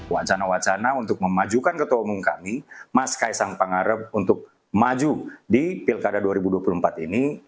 wacana wacana untuk memajukan ketua umum kami mas kaisang pangarep untuk maju di pilkada dua ribu dua puluh empat ini